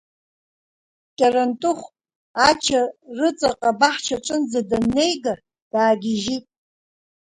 Кьарантыхә Ача рыҵаҟа абаҳчаҿынӡа даннеига, даагьежьит.